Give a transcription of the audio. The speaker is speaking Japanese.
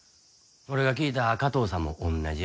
俺が聞いた加藤さんも同じや。